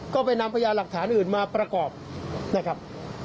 ก็ไปนำพยานหลักฐานอื่นมาประกอบนะครับ